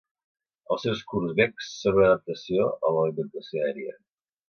Els seus curts becs són una adaptació a l'alimentació aèria.